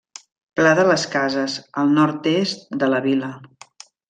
Pla de les cases, al nord-est de la Vila.